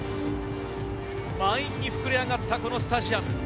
満員に膨れ上がったスタジアム。